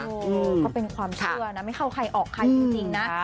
ก็เป็นความเชื่อนะไม่เข้าใครออกใครจริงนะ